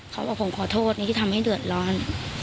เขาบอกผมขอโทษที่ทำให้เดือดร้อน